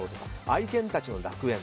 愛犬たちの楽園。